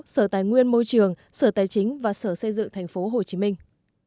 sở tài nguyên môi trường sở tài chính và sở xây dựng thành phố hồ chí minh